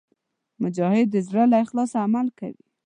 مجاهد د زړه له اخلاصه عمل کوي.